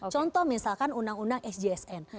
contoh misalkan undang undang sjsn